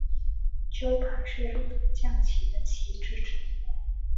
鸠盘是日本将棋的棋子之一。